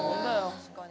確かに。